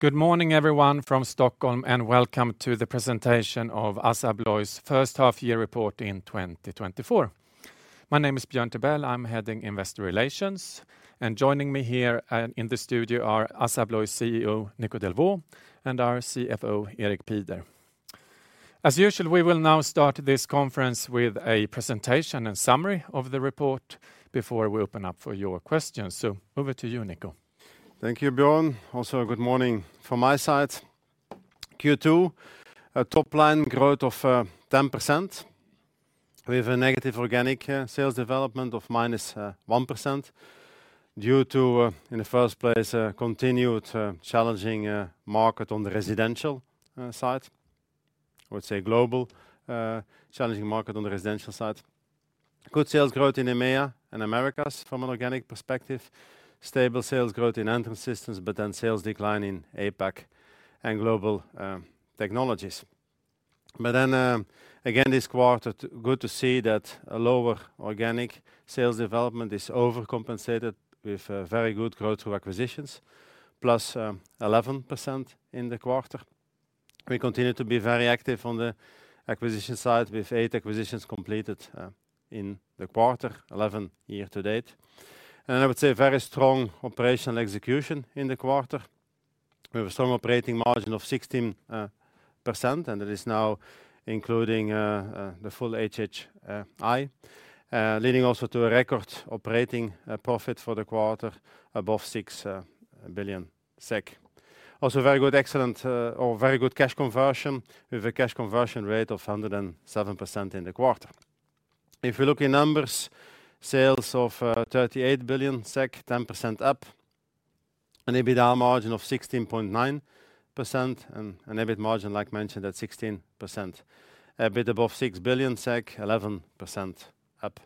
Good morning, everyone, from Stockholm, and welcome to the presentation of ASSA ABLOY's first half-year report in 2024. My name is Björn Tibell. I'm heading Investor Relations, and joining me here in the studio are ASSA ABLOY CEO, Nico Delvaux, and our CFO, Erik Pieder. As usual, we will now start this conference with a presentation and summary of the report before we open up for your questions. Over to you, Nico. Thank you, Björn. Also, good morning from my side. Q2, a top line growth of 10%, with a negative organic sales development of -1%, due to, in the first place, a continued challenging market on the residential side. I would say global challenging market on the residential side. Good sales growth in EMEA and Americas from an organic perspective. Stable sales growth in Entrance Systems, but then sales decline in APAC and Global Technologies. But then, again, this quarter, good to see that a lower organic sales development is overcompensated with very good growth through acquisitions, +11% in the quarter. We continue to be very active on the acquisition side, with 8 acquisitions completed in the quarter, 11 year to date. I would say very strong operational execution in the quarter. We have a strong operating margin of 16%, and it is now including the full HHI leading also to a record operating profit for the quarter above 6 billion SEK. Also, very good, excellent or very good cash conversion, with a cash conversion rate of 107% in the quarter. If you look in numbers, sales of 38 billion SEK, 10% up, an EBITDA margin of 16.9% and EBIT margin, like mentioned, at 16%, a bit above 6 billion SEK, 11% up.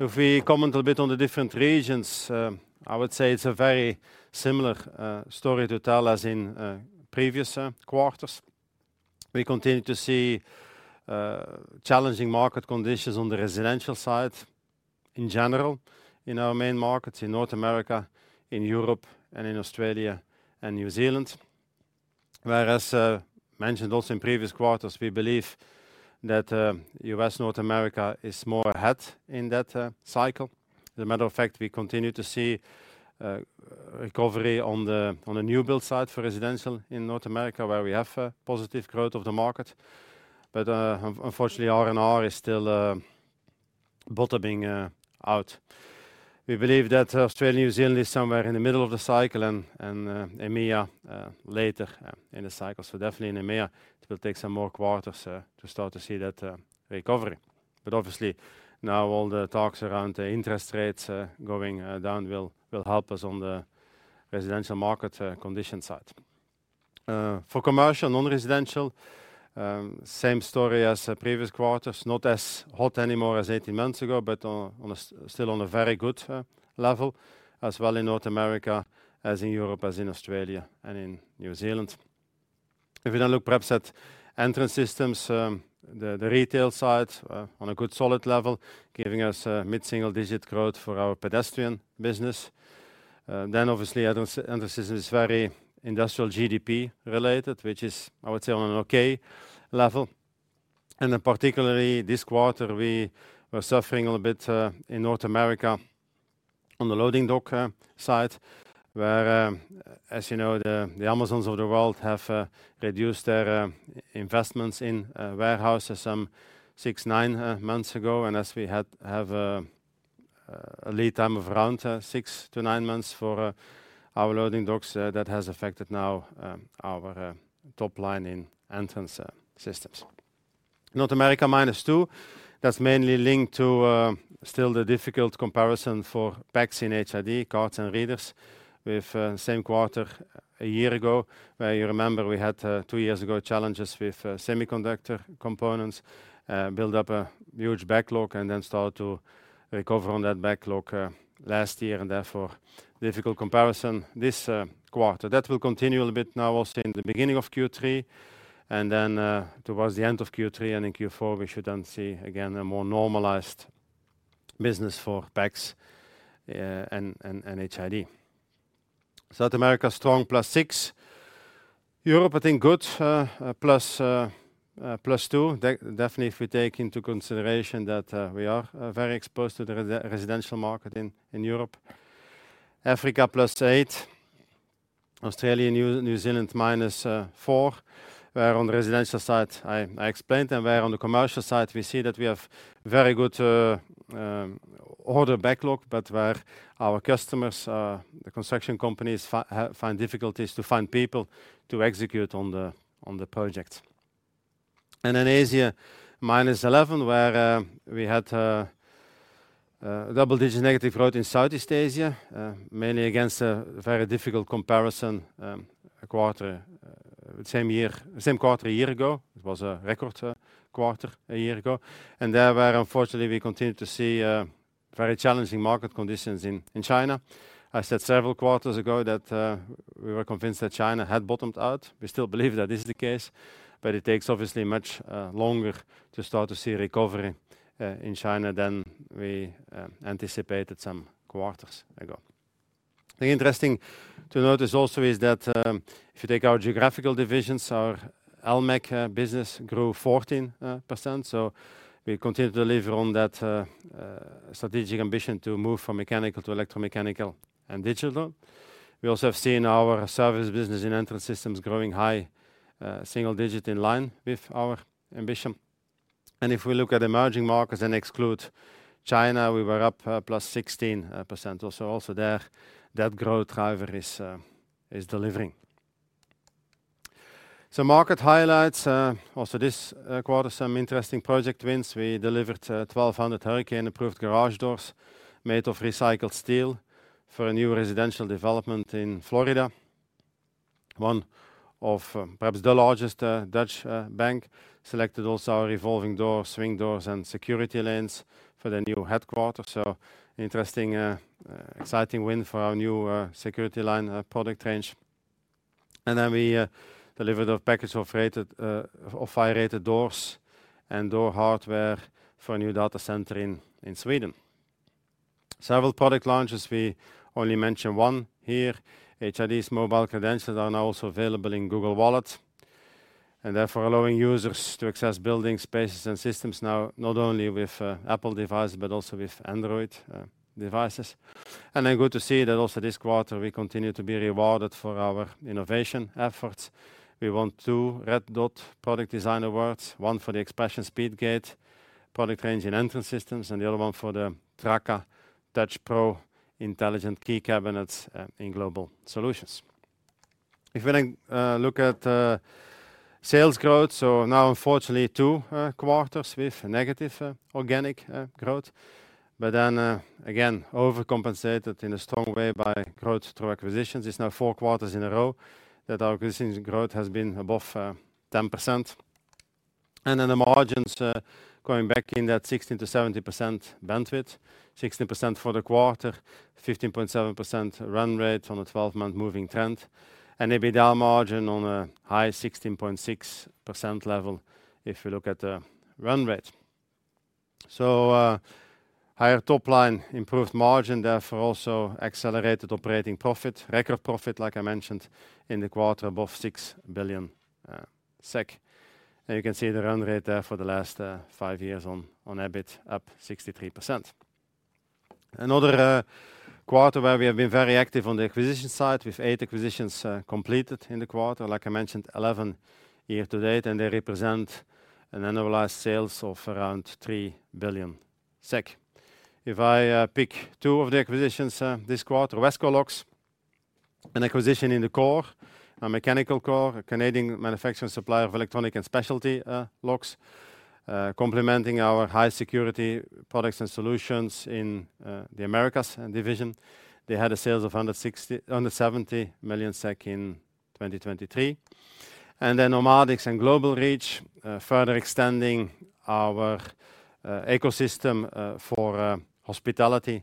If we comment a bit on the different regions, I would say it's a very similar story to tell as in previous quarters. We continue to see challenging market conditions on the residential side in general, in our main markets in North America, in Europe, and in Australia and New Zealand. Whereas mentioned also in previous quarters, we believe that US North America is more ahead in that cycle. As a matter of fact, we continue to see recovery on the new-build side for residential in North America, where we have a positive growth of the market. But unfortunately, R&R is still bottoming out. We believe that Australia and New Zealand is somewhere in the middle of the cycle and EMEA later in the cycle. So definitely in EMEA, it will take some more quarters to start to see that recovery. But obviously, now all the talks around the interest rates going down will help us on the residential market condition side. For commercial, non-residential, same story as the previous quarters, not as hot anymore as 18 months ago, but on a still on a very good level, as well in North America, as in Europe, as in Australia and in New Zealand. If you now look perhaps at Entrance Systems, the retail side on a good solid level, giving us mid-single-digit growth for our pedestrian business. Then obviously, Entrance Systems is very industrial GDP related, which is, I would say, on an okay level. Then particularly this quarter, we were suffering a little bit in North America on the loading dock side, where, as you know, the Amazons of the world have reduced their investments in warehouses some 6-9 months ago. And as we have a lead time of around 6-9 months for our loading docks, that has affected now our top line in Entrance Systems. North America, -2%. That's mainly linked to still the difficult comparison for PACS in HID, cards, and readers with same quarter a year ago, where you remember we had two years ago challenges with semiconductor components, build up a huge backlog and then start to recover on that backlog last year, and therefore, difficult comparison this quarter. That will continue a little bit now, also in the beginning of Q3, and then, towards the end of Q3 and in Q4, we should then see again, a more normalized business for PACS, and HID. South America, strong, +6. Europe, I think, good, +2. Definitely, if we take into consideration that, we are, very exposed to the residential market in, in Europe. Africa, +8. Australia, New Zealand, -4, where on the residential side, I explained, and where on the commercial side, we see that we have very good, order backlog, but where our customers, the construction companies, find difficulties to find people to execute on the, on the project. In Asia, -11%, where we had double-digit negative growth in Southeast Asia, mainly against a very difficult comparison, a quarter same year, same quarter a year ago. It was a record quarter a year ago. And there, where unfortunately, we continue to see very challenging market conditions in China. I said several quarters ago that we were convinced that China had bottomed out. We still believe that is the case, but it takes obviously much longer to start to see recovery in China than we anticipated some quarters ago. The interesting to notice also is that if you take our geographical divisions, our electromechanical business grew 14%. So we continue to deliver on that strategic ambition to move from mechanical to electromechanical and digital. We also have seen our service business in entrance systems growing high single digit in line with our ambition. And if we look at emerging markets and exclude China, we were up +16% or so. Also there, that growth driver is delivering. So market highlights also this quarter, some interesting project wins. We delivered 1,200 hurricane-approved garage doors made of recycled steel for a new residential development in Florida. One of perhaps the largest Dutch bank selected also our revolving doors, swing doors, and security lanes for their new headquarters. So interesting exciting win for our new security line product range. And then we delivered a package of fire-rated doors and door hardware for a new data center in Sweden. Several product launches, we only mention one here. HID's mobile credentials are now also available in Google Wallet, and therefore allowing users to access building spaces and systems now, not only with Apple devices, but also with Android devices. And then good to see that also this quarter, we continue to be rewarded for our innovation efforts. We won two Red Dot product design awards, one for the Expression Speed gate product range in entrance systems, and the other one for the Traka Touch Pro intelligent key cabinets in Global Solutions. If we then look at sales growth, so now unfortunately, two quarters with negative organic growth. But then again, overcompensated in a strong way by growth through acquisitions. It's now 4 quarters in a row that our acquisition growth has been above 10%. Then the margins going back in that 60%-70% bandwidth, 60% for the quarter, 15.7% run rate on a 12-month moving trend, and EBITDA margin on a high 16.6% level if we look at the run rate. So, higher top line, improved margin, therefore, also accelerated operating profit, record profit, like I mentioned, in the quarter, above 6 billion SEK. And you can see the run rate there for the last 5 years on EBIT, up 63%. Another quarter where we have been very active on the acquisition side, with 8 acquisitions completed in the quarter. Like I mentioned, 11 year-to-date, and they represent an annualized sales of around 3 billion SEK. If I pick two of the acquisitions this quarter, Wesko Locks, an acquisition in the core, a mechanical core, a Canadian manufacturer and supplier of electronic and specialty locks, complementing our high security products and solutions in the Americas division. They had sales of 170 million SEK in 2023. And then Nomadix and Global Reach, further extending our ecosystem for hospitality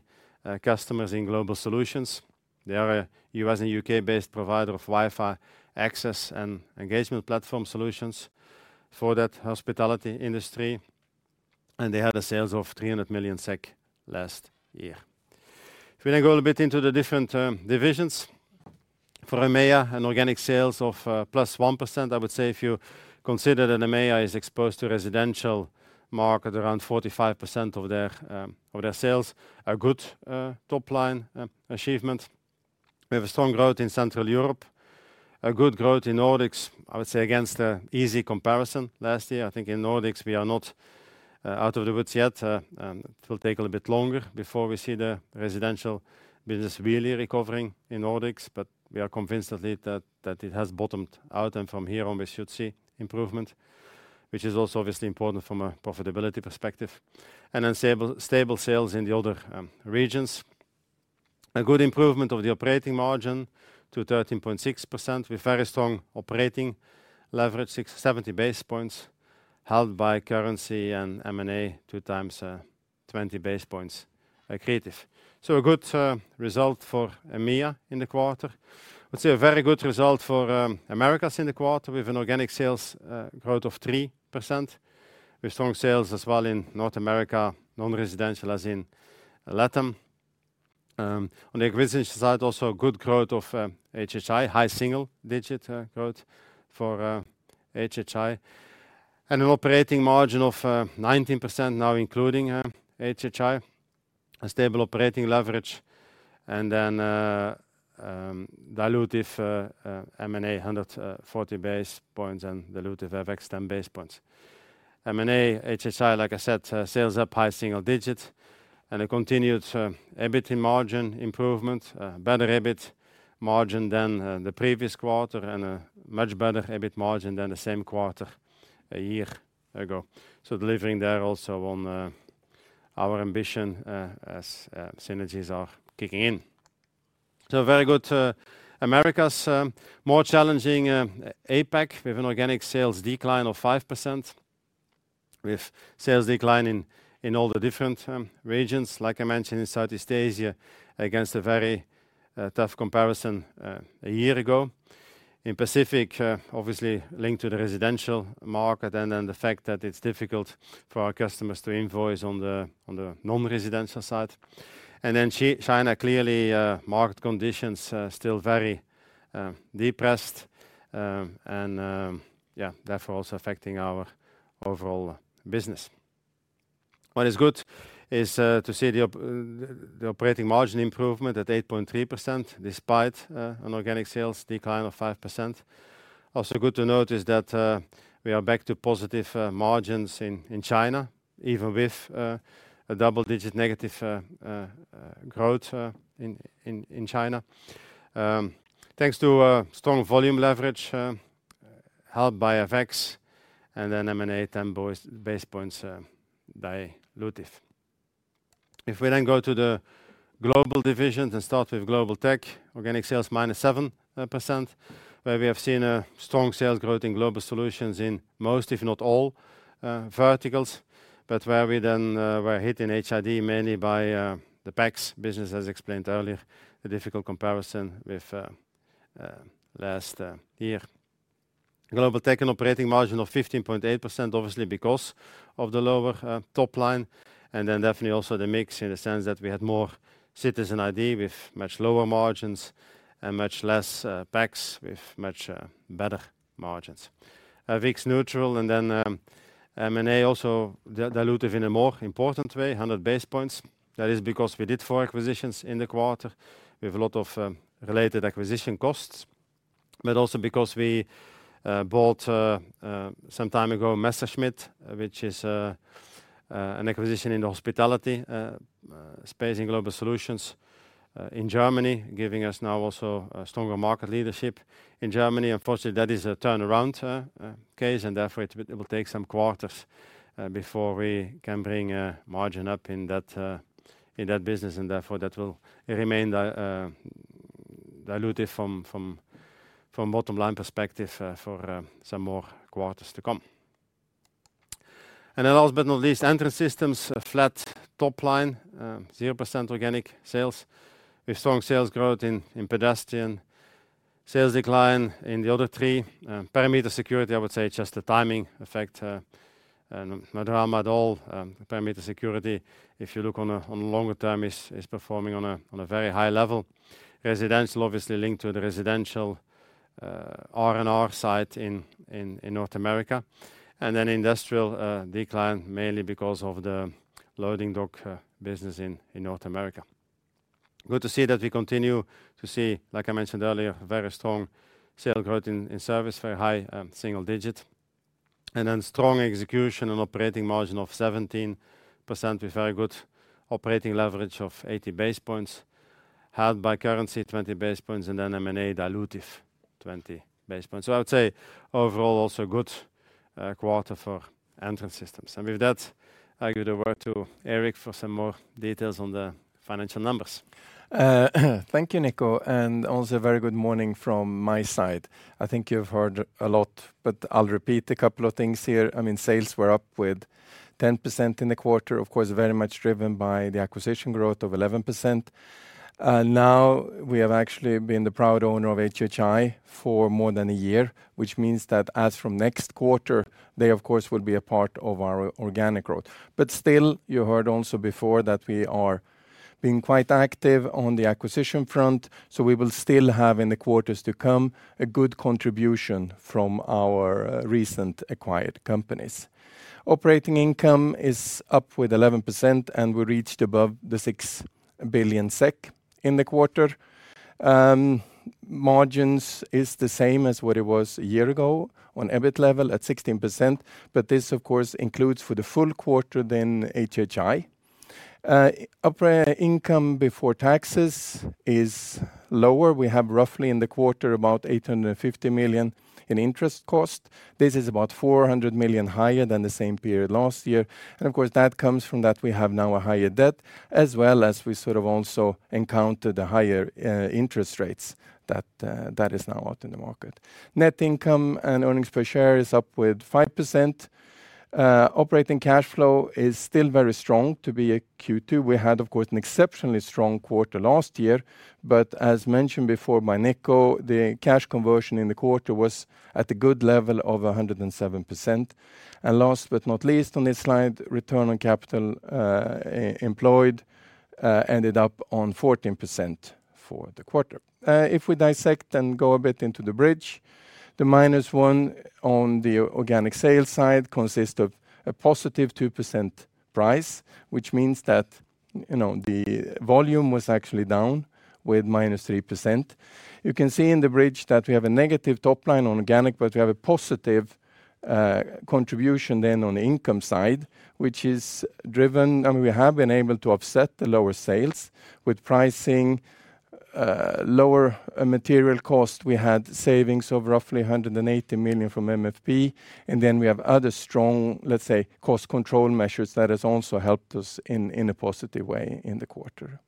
customers in Global Solutions. They are a US and UK-based provider of Wi-Fi access and engagement platform solutions for that hospitality industry, and they had sales of 300 million SEK last year. If we then go a bit into the different divisions, for EMEA, an organic sales of +1%, I would say, if you consider that EMEA is exposed to residential market, around 45% of their of their sales, a good top line achievement. We have a strong growth in Central Europe, a good growth in Nordics, I would say, against an easy comparison last year. I think in Nordics, we are not out of the woods yet, and it will take a little bit longer before we see the residential business really recovering in Nordics. But we are convinced of it, that, that it has bottomed out, and from here on, we should see improvement, which is also obviously important from a profitability perspective. And then stable, stable sales in the other regions. A good improvement of the operating margin to 13.6%, with very strong operating leverage, 60-70 basis points, held by currency and M&A, two times 20 basis points, negative. So a good result for EMEA in the quarter. I would say a very good result for Americas in the quarter, with an organic sales growth of 3%, with strong sales as well in North America, non-residential as in LATAM. On the acquisition side, also a good growth of HHI, high single-digit growth for HHI, and an operating margin of 19% now including HHI, a stable operating leverage, and then dilutive M&A, 140 basis points and dilutive FX, 10 basis points. M&A, HHI, like I said, sales up high single digits, and a continued EBIT margin improvement, better EBIT margin than the previous quarter, and a much better EBIT margin than the same quarter a year ago. So delivering there also on our ambition, as synergies are kicking in. So very good, Americas, more challenging, APAC. We have an organic sales decline of 5%, with sales decline in all the different regions, like I mentioned in Southeast Asia, against a very tough comparison a year ago in Pacific, obviously linked to the residential market and then the fact that it's difficult for our customers to invoice on the non-residential side. And then China, clearly, market conditions still very depressed. And therefore also affecting our overall business. What is good is to see the operating margin improvement at 8.3%, despite an organic sales decline of 5%. Also good to note is that we are back to positive margins in China, even with a double-digit negative growth in China. Thanks to strong volume leverage, helped by FX and then M&A, 10 basis points dilutive. If we then go to the global divisions and start with Global Tech, organic sales minus 7%, where we have seen a strong sales growth in Global Solutions in most, if not all, verticals, but where we then were hit in HID, mainly by the PACS business, as explained earlier, a difficult comparison with last year. Global Tech, an operating margin of 15.8%, obviously because of the lower top line, and then definitely also the mix in the sense that we had more citizen ID with much lower margins and much less PACS with much better margins. FX neutral, and then M&A also dilutive in a more important way, 100 basis points. That is because we did four acquisitions in the quarter. We have a lot of related acquisition costs, but also because we bought some time ago Messerschmitt, which is an acquisition in the hospitality space in Global Solutions in Germany, giving us now also a stronger market leadership in Germany. Unfortunately, that is a turnaround case, and therefore it will take some quarters before we can bring margin up in that business, and therefore that will remain dilutive from bottom line perspective for some more quarters to come. And then last but not least, Entrance Systems, a flat top line, 0% organic sales, with strong sales growth in pedestrian. Sales decline in the other three. Perimeter security, I would say, just a timing effect, and no drama at all. Perimeter security, if you look on a longer term, is performing on a very high level. Residential, obviously linked to the residential R&R side in North America. And then industrial decline, mainly because of the loading dock business in North America. Good to see that we continue to see, like I mentioned earlier, very strong sales growth in service, very high single digit, and then strong execution and operating margin of 17%, with very good operating leverage of 80 base points, helped by currency, 20 base points, and then M&A dilutive, 20 base points. So I would say overall, also a good quarter for Entrance Systems. And with that, I give the word to Erik for some more details on the financial numbers. Thank you, Nico, and also a very good morning from my side. I think you've heard a lot, but I'll repeat a couple of things here. I mean, sales were up with 10% in the quarter, of course, very much driven by the acquisition growth of 11%. And now we have actually been the proud owner of HHI for more than a year, which means that as from next quarter, they of course will be a part of our organic growth. But still, you heard also before that we are being quite active on the acquisition front, so we will still have in the quarters to come a good contribution from our recent acquired companies. Operating income is up with 11%, and we reached above the 6 billion SEK in the quarter. Margins is the same as what it was a year ago on EBIT level at 16%, but this of course, includes for the full quarter then HHI. Operating income before taxes is lower. We have roughly in the quarter, about 850 million in interest cost. This is about 400 million higher than the same period last year. And of course, that comes from that we have now a higher debt, as well as we sort of also encounter the higher, interest rates that, that is now out in the market. Net income and earnings per share is up with 5%. Operating cash flow is still very strong to be a Q2. We had, of course, an exceptionally strong quarter last year, but as mentioned before by Nico, the cash conversion in the quarter was at a good level of 107%. And last but not least, on this slide, return on capital employed ended up on 14% for the quarter. If we dissect and go a bit into the bridge, the -1% on the organic sales side consists of a +2% price, which means that, you know, the volume was actually down with -3%. You can see in the bridge that we have a negative top line on organic, but we have a positive contribution then on the income side, which is driven and we have been able to offset the lower sales with pricing, lower material cost. We had savings of roughly 180 million from MFP, and then we have other strong, let's say, cost control measures that has also helped us in a positive way in the quarter.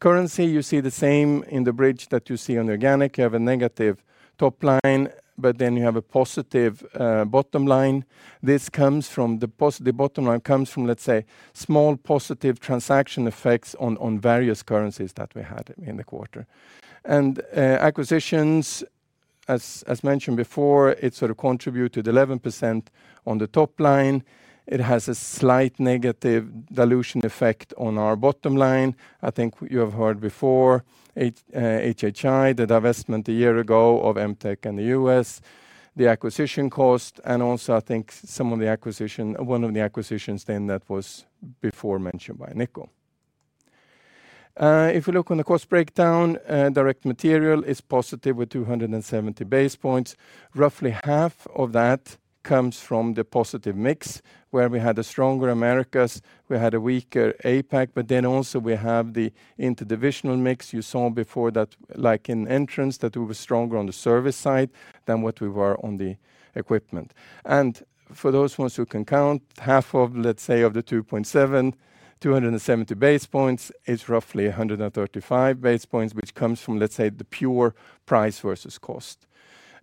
Currency, you see the same in the bridge that you see on organic. You have a negative top line, but then you have a positive bottom line. This comes from the bottom line, comes from, let's say, small positive transaction effects on various currencies that we had in the quarter. Acquisitions? As mentioned before, it sort of contributed 11% on the top line. It has a slight negative dilution effect on our bottom line. I think you have heard before, HHI, the divestment a year ago of Emtek in the U.S., the acquisition cost, and also, I think some of the acquisition, one of the acquisitions then that was before mentioned by Nico. If you look on the cost breakdown, direct material is positive with 270 basis points. Roughly half of that comes from the positive mix, where we had a stronger Americas, we had a weaker APAC, but then also we have the interdivisional mix. You saw before that, like in entrance, that we were stronger on the service side than what we were on the equipment. For those ones who can count, half of, let's say, of the 2.7, 270 basis points is roughly 135 basis points, which comes from, let's say, the pure price versus cost.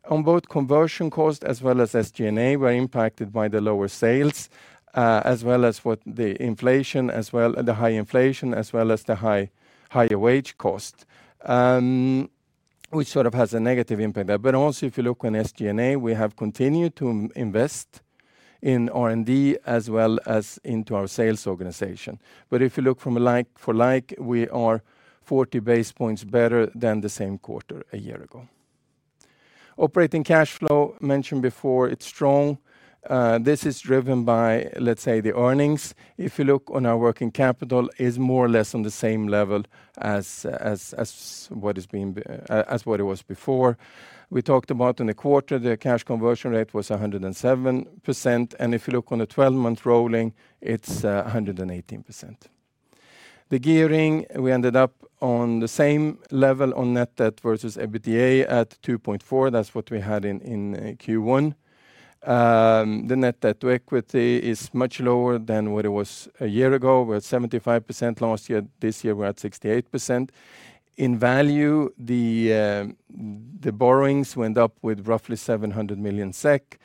On both conversion cost as well as SG&A, were impacted by the lower sales, as well as the inflation, the high inflation, as well as the higher wage cost, which sort of has a negative impact there. But also, if you look on SG&A, we have continued to invest in R&D as well as into our sales organization. But if you look from a like for like, we are 40 basis points better than the same quarter a year ago. Operating cash flow, mentioned before, it's strong. This is driven by, let's say, the earnings. If you look on our working capital, is more or less on the same level as what it was before. We talked about in the quarter, the cash conversion rate was 107%, and if you look on the twelve-month rolling, it's 118%. The gearing, we ended up on the same level on net debt versus EBITDA at 2.4. That's what we had in Q1. The net debt to equity is much lower than what it was a year ago, where 75% last year, this year, we're at 68%. In value, the borrowings went up with roughly 700 million SEK.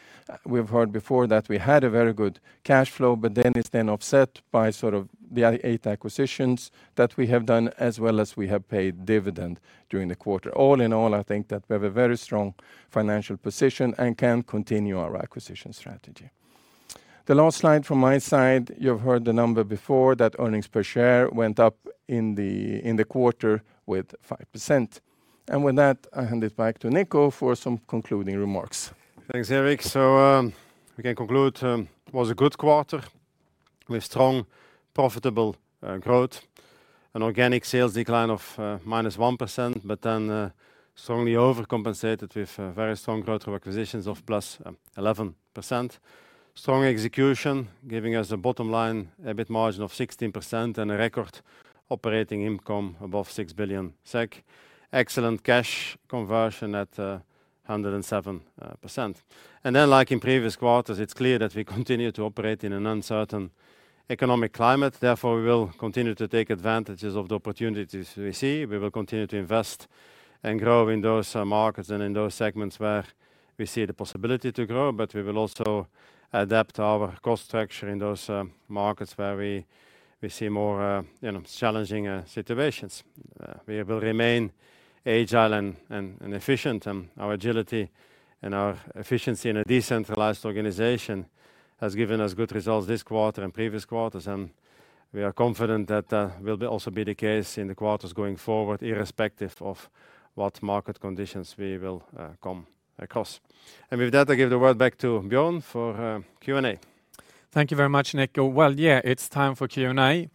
We've heard before that we had a very good cash flow, but then it's then offset by sort of the 8 acquisitions that we have done, as well as we have paid dividend during the quarter. All in all, I think that we have a very strong financial position and can continue our acquisition strategy. The last slide from my side, you've heard the number before, that earnings per share went up in the, in the quarter with 5%. And with that, I hand it back to Nico for some concluding remarks. Thanks, Erik. So, we can conclude, it was a good quarter with strong, profitable, growth and organic sales decline of -1%, but then, strongly overcompensated with very strong growth of acquisitions of +11%. Strong execution, giving us a bottom line, EBIT margin of 16% and a record operating income above 6 billion SEK. Excellent cash conversion at 107%. And then, like in previous quarters, it's clear that we continue to operate in an uncertain economic climate. Therefore, we will continue to take advantages of the opportunities we see. We will continue to invest and grow in those markets and in those segments where we see the possibility to grow, but we will also adapt our cost structure in those markets where we see more, you know, challenging situations. We will remain agile and efficient, our agility and our efficiency in a decentralized organization has given us good results this quarter and previous quarters, and we are confident that will also be the case in the quarters going forward, irrespective of what market conditions we will come across. And with that, I give the word back to Björn for Q&A. Thank you very much, Nico. Well, yeah, it's time for Q&A.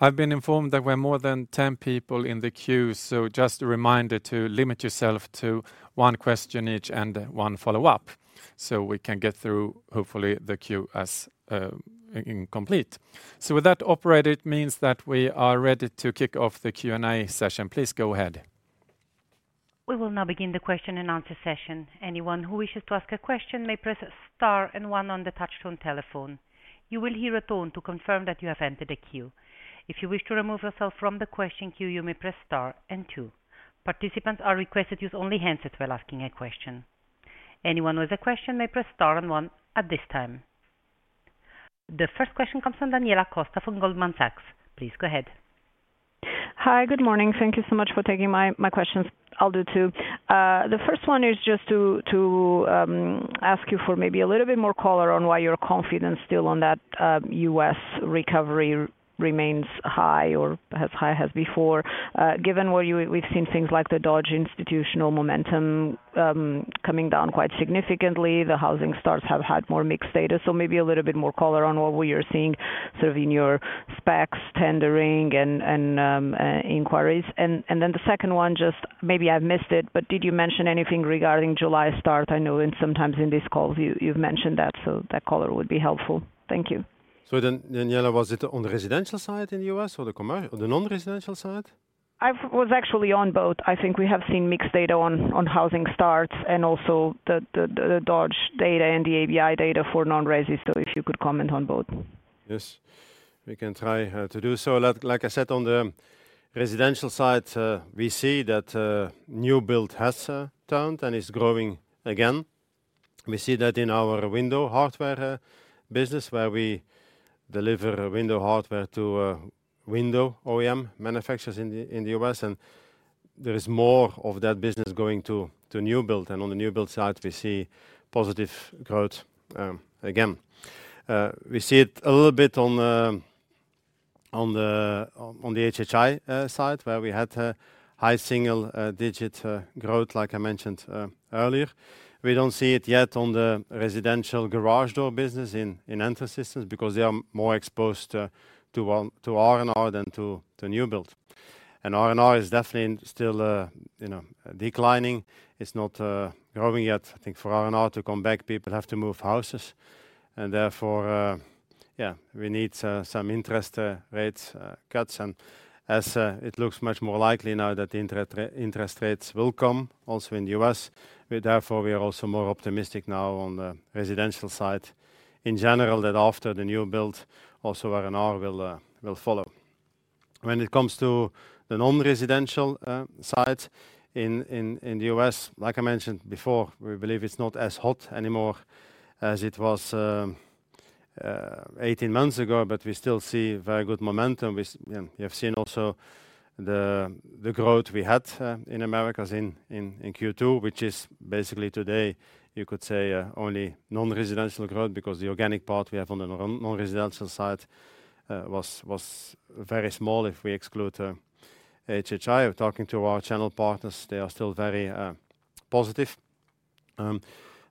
I've been informed that we're more than 10 people in the queue, so just a reminder to limit yourself to one question each and one follow-up, so we can get through, hopefully, the queue as complete. So with that operated, means that we are ready to kick off the Q&A session. Please go ahead. We will now begin the question and answer session. Anyone who wishes to ask a question may press star and one on the touchtone telephone. You will hear a tone to confirm that you have entered the queue. If you wish to remove yourself from the question queue, you may press star and two. Participants are requested to use only handset while asking a question. Anyone with a question may press star and one at this time. The first question comes from Daniela Costa from Goldman Sachs. Please go ahead. Hi, good morning. Thank you so much for taking my questions. I'll do two. The first one is just to ask you for maybe a little bit more color on why your confidence still on that US recovery remains high or as high as before, given where we've seen things like the Dodge institutional momentum coming down quite significantly, the housing starts have had more mixed data, so maybe a little bit more color on what we are seeing, sort of in your specs, tendering and inquiries. Then the second one, just maybe I've missed it, but did you mention anything regarding July start? I know sometimes in these calls you've mentioned that, so that color would be helpful. Thank you. So then, Daniela, was it on the residential side in the U.S. or the commercial or the non-residential side? I was actually on both. I think we have seen mixed data on housing starts and also the Dodge data and the ABI data for non-resi. So if you could comment on both. Yes, we can try to do so. Like I said, on the residential side, we see that new build has turned and is growing again. We see that in our window hardware business, where we deliver window hardware to window OEM manufacturers in the U.S., and there is more of that business going to new build. And on the new build side, we see positive growth again. We see it a little bit on the HHI side, where we had high single-digit growth, like I mentioned earlier. We don't see it yet on the residential garage door business in entry systems, because they are more exposed to R&R than to new build. And R&R is definitely still, you know, declining. It's not growing yet. I think for R&R to come back, people have to move houses, and therefore, yeah, we need some interest rate cuts. As it looks much more likely now that the interest rate cuts will come also in the U.S., we therefore are also more optimistic now on the residential side in general, that after the new build, also R&R will follow. When it comes to the non-residential side in the U.S., like I mentioned before, we believe it's not as hot anymore as it was 18 months ago, but we still see very good momentum. We, yeah, we have seen also the growth we had in Americas in Q2, which is basically today, you could say, only non-residential growth, because the organic part we have on the non-residential side was very small if we exclude HHI. Talking to our channel partners, they are still very positive. A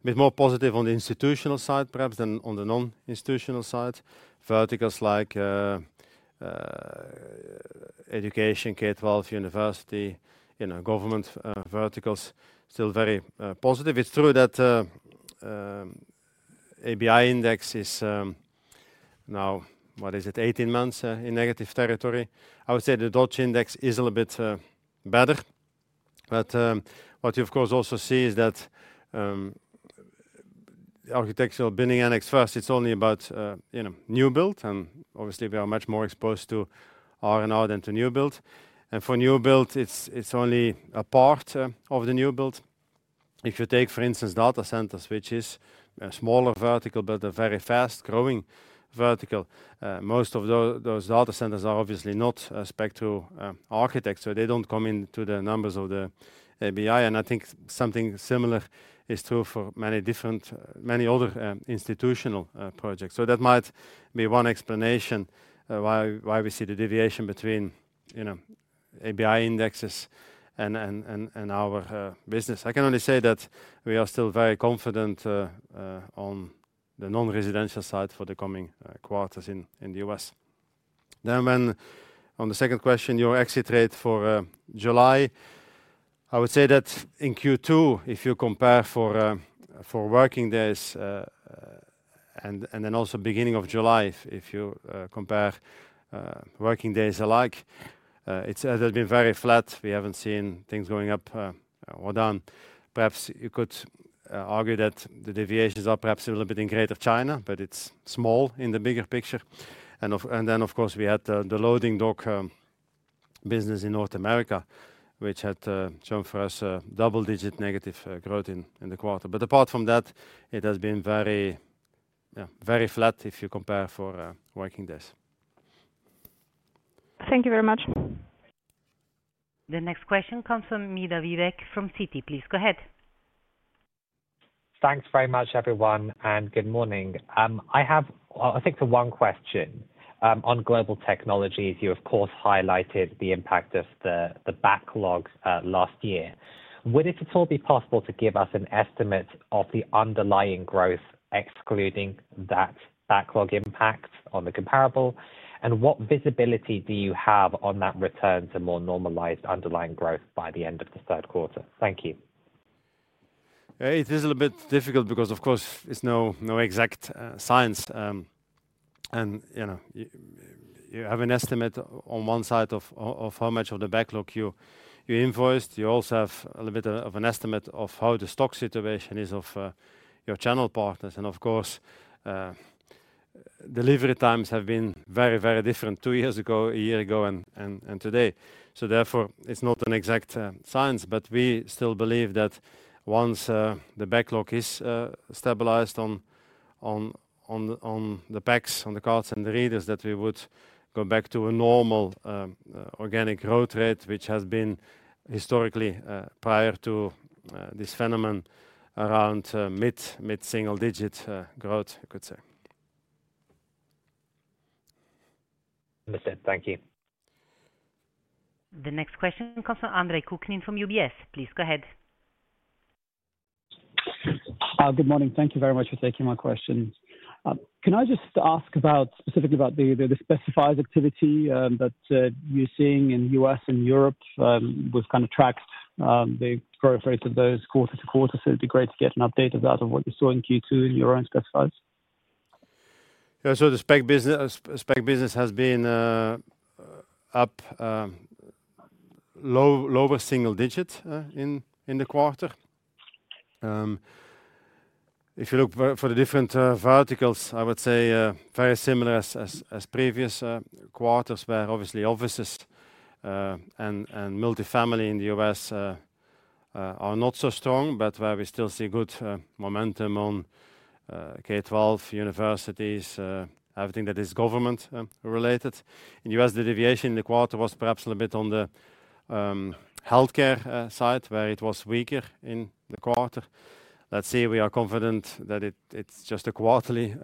bit more positive on the institutional side, perhaps, than on the non-institutional side. Verticals like education, K-12, university, you know, government verticals still very positive. It's true that ABI index is now, what is it? 18 months in negative territory. I would say the Dodge Index is a little bit better. But, what you, of course, also see is that, Architectural Billings Index first, it's only about, you know, new build, and obviously we are much more exposed to R&R than to new build. And for new build, it's only a part, of the new build. If you take, for instance, data centers, which is a smaller vertical, but a very fast-growing vertical, most of those data centers are obviously not, spec to, architects, so they don't come into the numbers of the ABI. And I think something similar is true for many different, many other, institutional, projects. So that might be one explanation, why we see the deviation between, you know, ABI index and, and our, business. I can only say that we are still very confident on the non-residential side for the coming quarters in the US. On the second question, your exit rate for July, I would say that in Q2, if you compare for working days and then also beginning of July, if you compare working days alike, it's been very flat. We haven't seen things going up or down. Perhaps you could argue that the deviations are perhaps a little bit in Greater China, but it's small in the bigger picture. And then, of course, we had the loading dock business in North America, which had shown for us a double-digit negative growth in the quarter. But apart from that, it has been very, yeah, very flat if you compare for working days. Thank you very much. The next question comes from Vivek Midha from Citi. Please, go ahead. Thanks very much, everyone, and good morning. I have, I think one question. On Global Technologies, you of course, highlighted the impact of the backlogs last year. Would it at all be possible to give us an estimate of the underlying growth, excluding that backlog impact on the comparable? And what visibility do you have on that return to more normalized underlying growth by the end of the third quarter? Thank you. It is a little bit difficult because, of course, it's no exact science. And, you know, you have an estimate on one side of how much of the backlog you invoiced. You also have a little bit of an estimate of how the stock situation is of your channel partners. And of course, delivery times have been very, very different two years ago, a year ago, and today. So therefore, it's not an exact science, but we still believe that once the backlog is stabilized on the PACS, on the cards, and the readers, that we would go back to a normal organic growth rate, which has been historically, prior to this phenomenon, around mid-single digit growth, you could say. Understood. Thank you. The next question comes from Andre Kukhnin from UBS. Please go ahead. Good morning. Thank you very much for taking my questions. Can I just ask about, specifically about the spec activity that you're seeing in US and Europe? We've kind of tracked the growth rate of those quarter to quarter, so it'd be great to get an update of that, of what you saw in Q2 in your own spec activity? Yeah. So the spec business has been up lower single digits in the quarter. If you look for the different verticals, I would say very similar as previous quarters, where obviously offices and multifamily in the U.S. are not so strong, but where we still see good momentum on K-12 universities, everything that is government related. In the U.S., the deviation in the quarter was perhaps a little bit on the healthcare side, where it was weaker in the quarter. Let's say we are confident that it it's just a quarterly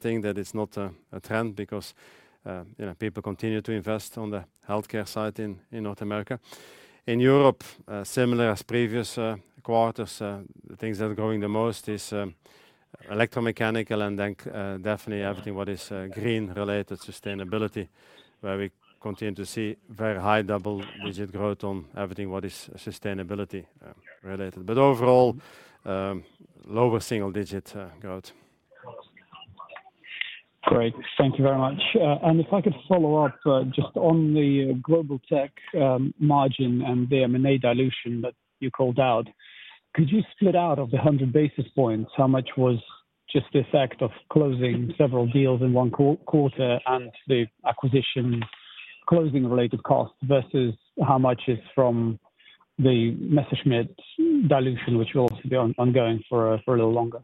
thing, that it's not a trend, because you know, people continue to invest on the healthcare side in North America. In Europe, similar as previous quarters, the things that are growing the most is electromechanical, and then definitely everything what is green-related sustainability, where we continue to see very high double-digit growth on everything what is sustainability related. But overall, lower single digit growth. Great. Thank you very much. And if I could follow up, just on the Global Tech margin and the M&A dilution that you called out, could you split out of the 100 basis points, how much was just the effect of closing several deals in one quarter, and the acquisition closing related costs, versus how much is from the Messerschmitt dilution, which will also be ongoing for a little longer?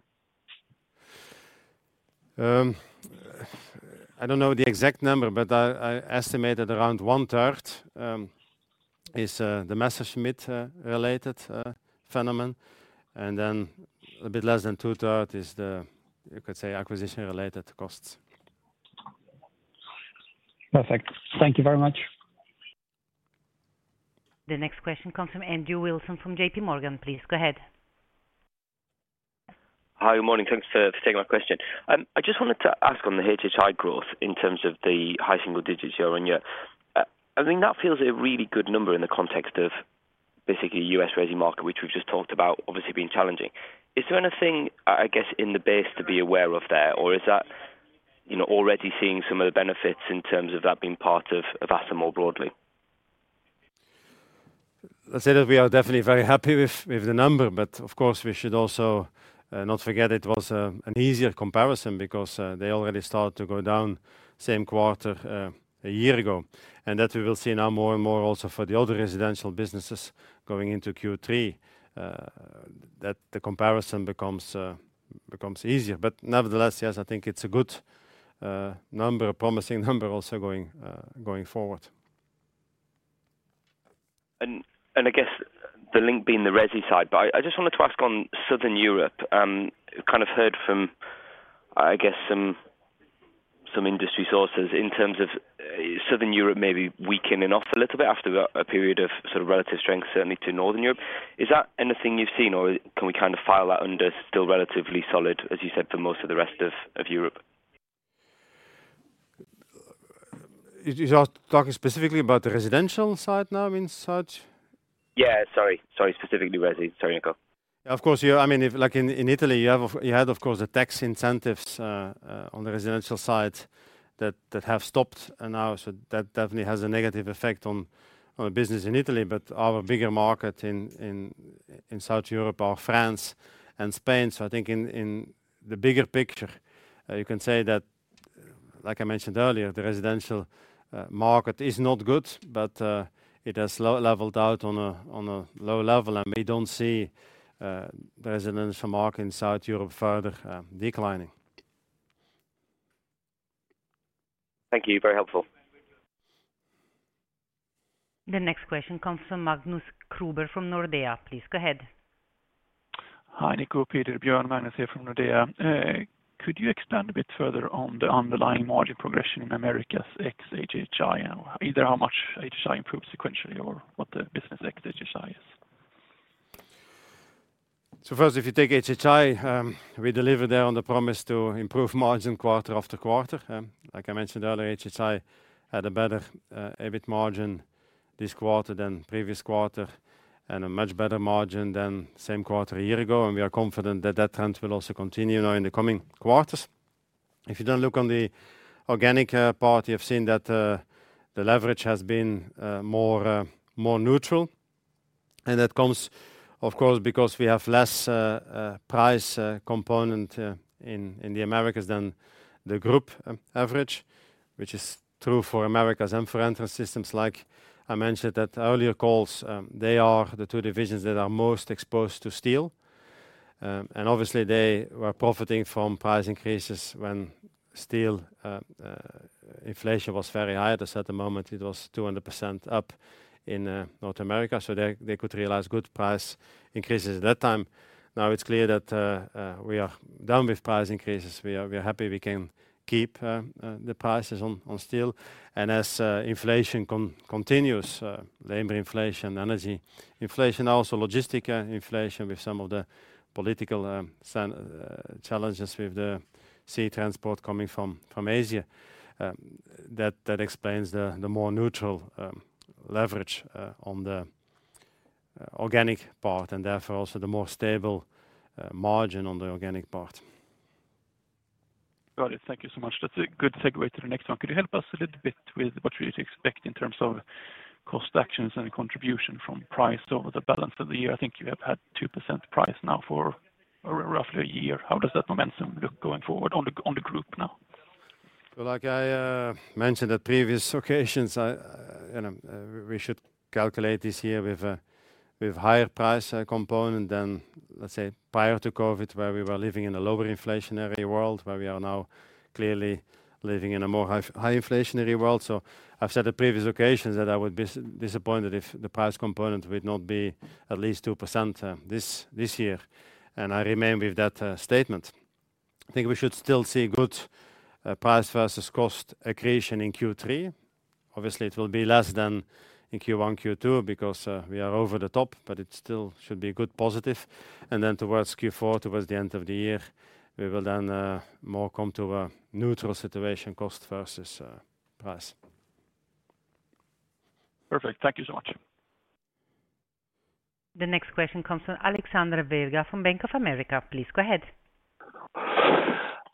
I don't know the exact number, but I, I estimated around one third is the Messerschmitt-related phenomenon, and then a bit less than two third is the, you could say, acquisition-related costs. Perfect. Thank you very much. The next question comes from Andrew Wilson from JP Morgan. Please, go ahead. Hi, good morning. Thanks for, for taking my question. I just wanted to ask on the HHI growth in terms of the high single digits year-on-year. I mean, that feels a really good number in the context of basically U.S. housing market, which we've just talked about, obviously being challenging. Is there anything, I, I guess, in the base to be aware of there? Or is that, you know, already seeing some of the benefits in terms of that being part of, of ASSA more broadly? I'd say that we are definitely very happy with the number, but of course, we should also not forget it was an easier comparison because they already started to go down same quarter a year ago. And that we will see now more and more also for the other residential businesses going into Q3 that the comparison becomes easier. But nevertheless, yes, I think it's a good number, a promising number also going forward. I guess the link being the resi side, but I just wanted to ask on Southern Europe. Kind of heard from, I guess, some industry sources in terms of Southern Europe maybe weakening off a little bit after a period of sort of relative strength, certainly to Northern Europe. Is that anything you've seen, or can we kind of file that under still relatively solid, as you said, for most of the rest of Europe? You, you are talking specifically about the residential side now, in such? Yeah, sorry, sorry, specifically resi. Sorry, Nico. Of course, yeah. I mean, if like in Italy, you had of course the tax incentives on the residential side that have stopped, and now so that definitely has a negative effect on the business in Italy. But our bigger market in South Europe are France and Spain. So I think in the bigger picture you can say that, like I mentioned earlier, the residential market is not good, but it has leveled out on a low level, and we don't see the residential market in South Europe further declining. Thank you. Very helpful. The next question comes from Magnus Kruber from Nordea. Please, go ahead. Hi, Nico, Peter, Björn. Magnus here from Nordea. Could you expand a bit further on the underlying margin progression in Americas ex HHI, and either how much HHI improved sequentially or what the business ex HHI is? So first, if you take HHI, we delivered there on the promise to improve margin quarter after quarter. Like I mentioned earlier, HHI had a better, EBIT margin this quarter than previous quarter, and a much better margin than same quarter a year ago, and we are confident that that trend will also continue now in the coming quarters. If you then look on the organic, part, you've seen that, the leverage has been, more, more neutral. And that comes, of course, because we have less, price, component, in, in the Americas than the group, average, which is true for Americas and for Entrance Systems. Like I mentioned at earlier calls, they are the two divisions that are most exposed to steel. Obviously they were profiting from price increases when steel inflation was very high. At a certain moment, it was 200% up in North America, so they could realize good price increases at that time. Now, it's clear that we are done with price increases. We are happy we can keep the prices on still. And as inflation continues, labor inflation, energy inflation, also logistic inflation with some of the political challenges with the sea transport coming from Asia, that explains the more neutral leverage on the organic part, and therefore also the more stable margin on the organic part. Got it. Thank you so much. That's a good segue to the next one. Could you help us a little bit with what we should expect in terms of cost actions and contribution from price over the balance of the year? I think you have had 2% price now for roughly a year. How does that momentum look going forward on the group now? Well, like I mentioned on previous occasions, I, you know, we should calculate this year with higher price component than, let's say, prior to COVID, where we were living in a lower inflationary world, where we are now clearly living in a more high, high inflationary world. So I've said on previous occasions that I would be disappointed if the price component would not be at least 2% this year, and I remain with that statement. I think we should still see good price versus cost accretion in Q3. Obviously, it will be less than in Q1, Q2, because we are over the top, but it still should be good positive. And then towards Q4, towards the end of the year, we will then more come to a neutral situation, cost versus price. Perfect. Thank you so much. The next question comes from Alexander Virgo from Bank of America. Please go ahead.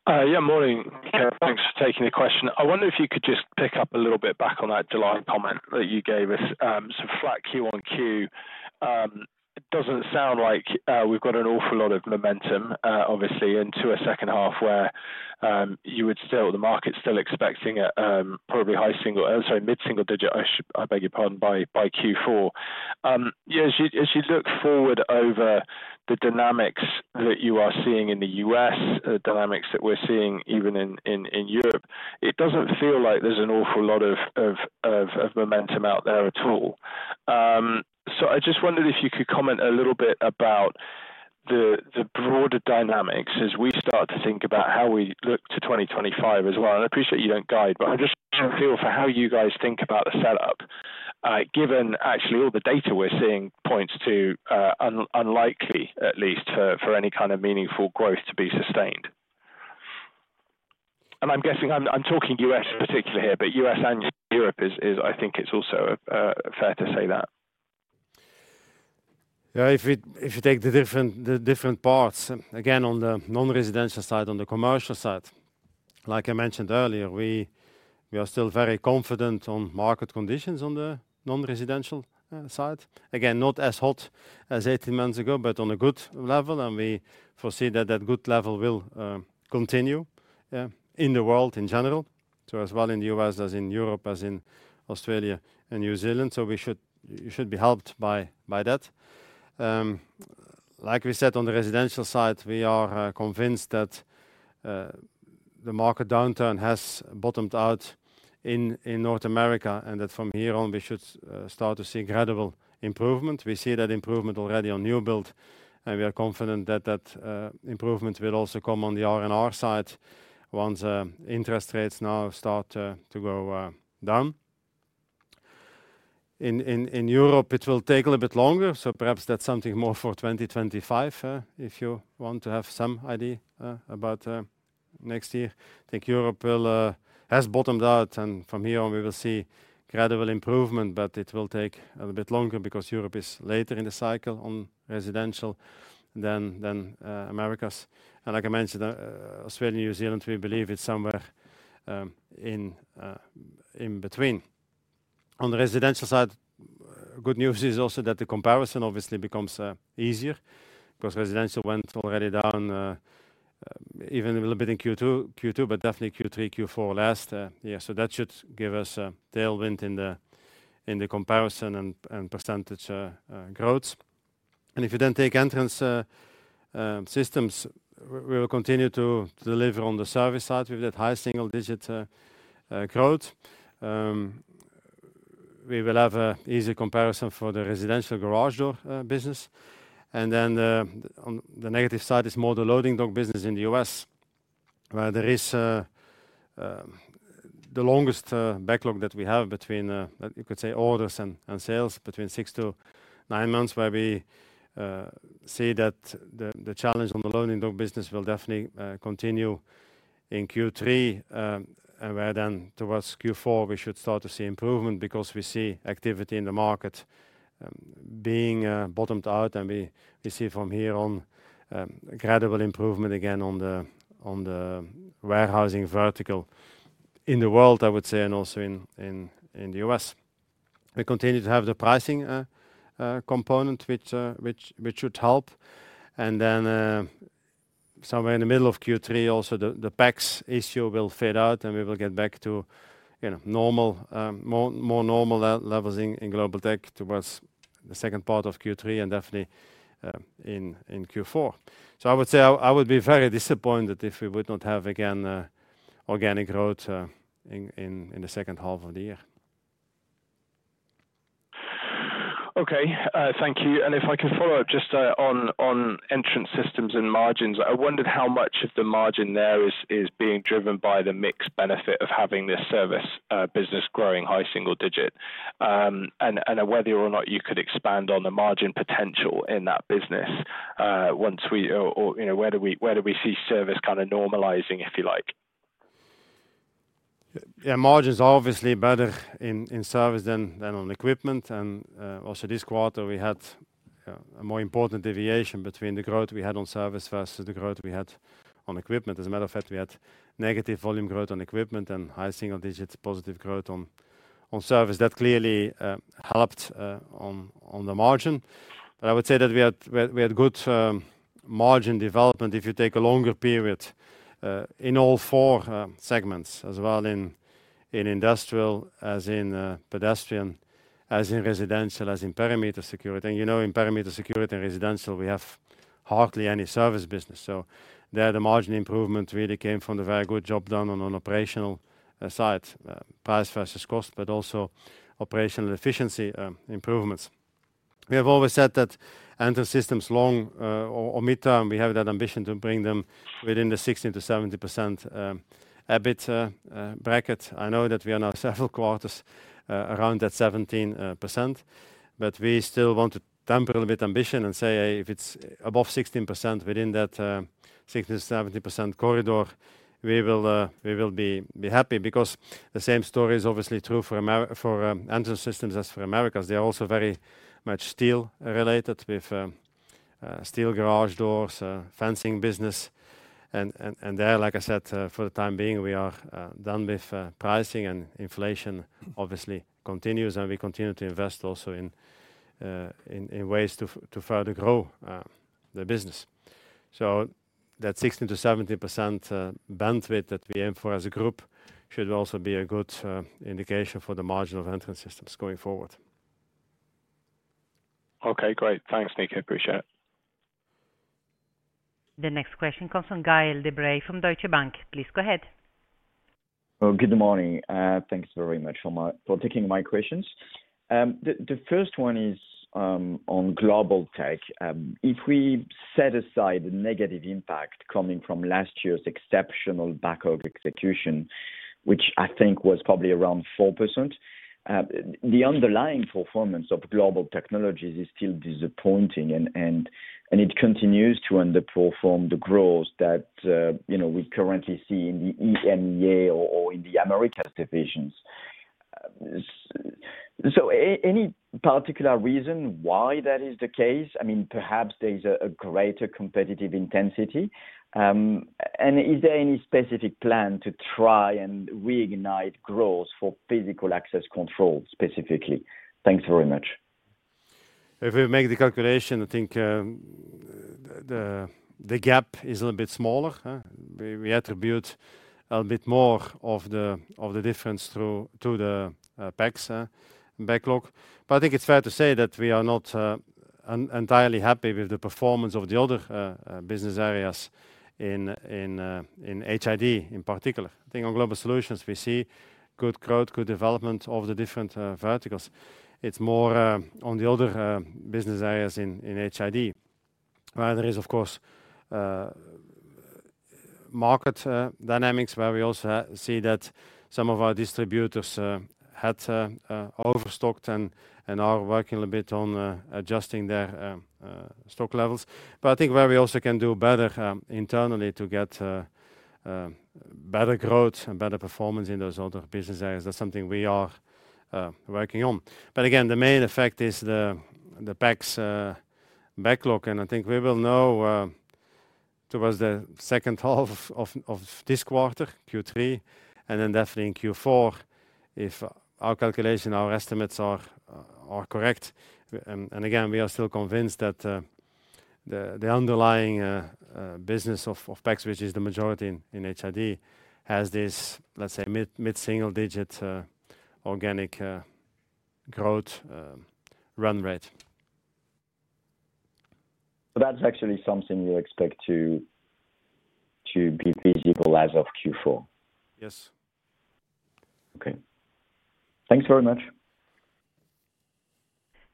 Yeah, morning. Thanks for taking the question. I wonder if you could just pick up a little bit back on that July comment that you gave us. So flat Q1, Q2, it doesn't sound like we've got an awful lot of momentum, obviously, into a second half where you would still, the market's still expecting a probably high single, sorry, mid-single digit, I should, I beg your pardon, by Q4. Yeah, as you look forward over the dynamics that you are seeing in the U.S., the dynamics that we're seeing even in Europe, it doesn't feel like there's an awful lot of momentum out there at all. So I just wondered if you could comment a little bit about the broader dynamics as we start to think about how we look to 2025 as well. I appreciate you don't guide, but I just want a feel for how you guys think about the setup, given actually all the data we're seeing points to unlikely at least for any kind of meaningful growth to be sustained. And I'm guessing I'm talking U.S. particularly here, but U.S. and Europe is, I think it's also fair to say that. Yeah, if you, if you take the different, the different parts, again, on the non-residential side, on the commercial side, like I mentioned earlier, we, we are still very confident on market conditions on the non-residential side. Again, not as hot as 18 months ago, but on a good level, and we foresee that that good level will continue, yeah, in the world in general, so as well in the U.S., as in Europe, as in Australia and New Zealand. So we should—we should be helped by, by that. Like we said, on the residential side, we are convinced that the market downturn has bottomed out in, in North America, and that from here on, we should start to see credible improvement. We see that improvement already on new build, and we are confident that that improvement will also come on the RNR side once interest rates now start to go down. In Europe, it will take a little bit longer, so perhaps that's something more for 2025, if you want to have some idea about next year. I think Europe will has bottomed out, and from here on we will see credible improvement, but it will take a little bit longer because Europe is later in the cycle on residential than Americas. And like I mentioned, Australia, New Zealand, we believe it's somewhere in between. On the residential side, good news is also that the comparison obviously becomes easier, because residential went already down even a little bit in Q2, Q2, but definitely Q3, Q4 last. So that should give us a tailwind in the comparison and percentage growth. And if you then take Entrance Systems, we will continue to deliver on the service side with that high single digit growth. We will have a easy comparison for the residential garage door business. On the negative side is more the loading dock business in the US, where there is the longest backlog that we have between you could say orders and sales, between 6-9 months, where we see that the challenge on the loading dock business will definitely continue in Q3. And where then towards Q4, we should start to see improvement because we see activity in the market being bottomed out, and we see from here on credible improvement again on the warehousing vertical in the world, I would say, and also in the US. We continue to have the pricing component, which should help. And then, somewhere in the middle of Q3, also, the PAX issue will fade out, and we will get back to, you know, normal, more normal levels in Global Tech towards the second part of Q3 and definitely in Q4. So I would say I would be very disappointed if we would not have, again, organic growth in the second half of the year. Okay, thank you. And if I could follow up just, on, on Entrance Systems and margins. I wondered how much of the margin there is, is being driven by the mixed benefit of having this service, business growing high single digit? And, and whether or not you could expand on the margin potential in that business, once we... Or, or, you know, where do we, where do we see service kind of normalizing, if you like? Yeah, margins are obviously better in service than on equipment. And also this quarter, we had a more important deviation between the growth we had on service versus the growth we had on equipment. As a matter of fact, we had negative volume growth on equipment and high single digits positive growth on service, that clearly helped on the margin. But I would say that we had good margin development, if you take a longer period, in all four segments, as well in industrial, as in pedestrian, as in residential, as in perimeter security. You know, in perimeter security and residential, we have hardly any service business, so there the margin improvement really came from the very good job done on an operational side, price versus cost, but also operational efficiency improvements. We have always said that Entrance Systems long- or midterm, we have that ambition to bring them within the 60%-70% EBIT bracket. I know that we are now several quarters around that 17%, but we still want to temper a little bit ambition and say if it's above 16% within that 60%-70% corridor, we will be happy. Because the same story is obviously true for Entrance Systems as for Americas. They are also very much steel-related with steel garage doors, fencing business. And there, like I said, for the time being, we are done with pricing and inflation obviously continues, and we continue to invest also in ways to further grow the business. So that 60%-70% bandwidth that we aim for as a group should also be a good indication for the margin of Entrance Systems going forward. Okay, great. Thanks, Nico. Appreciate it. The next question comes from Gael de-Bray from Deutsche Bank. Please go ahead. Well, good morning. Thanks very much for taking my questions. The first one is on Global Tech. If we set aside the negative impact coming from last year's exceptional backlog execution, which I think was probably around 4%, the underlying performance of Global Technologies is still disappointing, and it continues to underperform the growth that you know we currently see in the EMEA or in the Americas divisions. So any particular reason why that is the case? I mean, perhaps there's a greater competitive intensity. And is there any specific plan to try and reignite growth for physical access control, specifically? Thanks very much. If we make the calculation, I think, the gap is a little bit smaller, huh? We attribute a bit more of the difference through to the PACS backlog. But I think it's fair to say that we are not entirely happy with the performance of the other business areas in HID in particular. I think on Global Solutions we see good growth, good development of the different verticals. It's more on the other business areas in HID, where there is, of course, market dynamics, where we also see that some of our distributors had overstocked and are working a little bit on adjusting their stock levels. But I think where we also can do better internally to get better growth and better performance in those other business areas, that's something we are working on. But again, the main effect is the PACS backlog, and I think we will know towards the second half of this quarter, Q3, and then definitely in Q4, if our calculation, our estimates are correct. And again, we are still convinced that the underlying business of PACS, which is the majority in HID, has this, let's say, mid-single digit organic growth run rate. That's actually something you expect to be visible as of Q4? Yes. Okay. Thanks very much.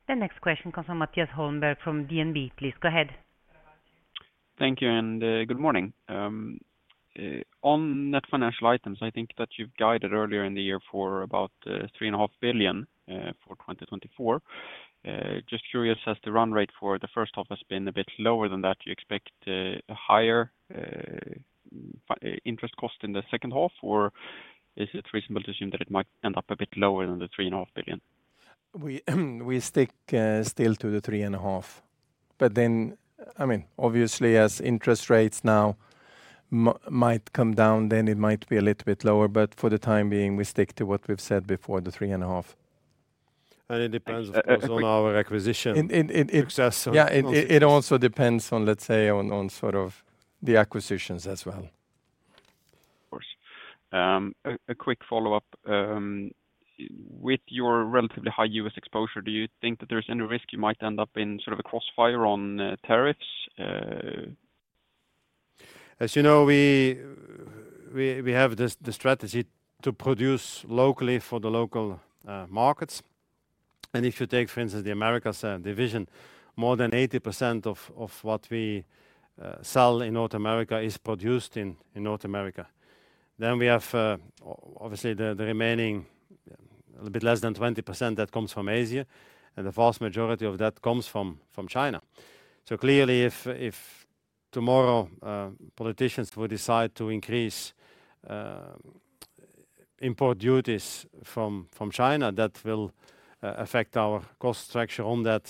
The next question comes from Mattias Holmberg, from DNB. Please, go ahead. Thank you, and, good morning. On net financial items, I think that you've guided earlier in the year for about 3.5 billion for 2024. Just curious, as the run rate for the first half has been a bit lower than that, do you expect a higher interest cost in the second half? Or is it reasonable to assume that it might end up a bit lower than the 3.5 billion? We stick still to the 3.5. But then, I mean, obviously, as interest rates now might come down, then it might be a little bit lower. But for the time being, we stick to what we've said before, the 3.5. It depends, of course, on our acquisition- It, it, it Success or Yeah, it also depends on, let's say, sort of the acquisitions as well. Of course. A quick follow-up. With your relatively high U.S. exposure, do you think that there's any risk you might end up in sort of a crossfire on tariffs? As you know, we have this the strategy to produce locally for the local markets. And if you take, for instance, the Americas division, more than 80% of what we sell in North America is produced in North America. Then we have, obviously, the remaining, a little bit less than 20% that comes from Asia, and the vast majority of that comes from China. So clearly, if tomorrow politicians would decide to increase import duties from China, that will affect our cost structure on that